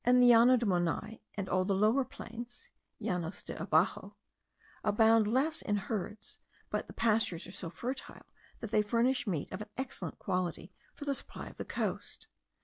The Llano de Monai, and all the Lower Plains (Llanos de abaxo), abound less in herds, but the pastures are so fertile, that they furnish meat of an excellent quality for the supply of the coast.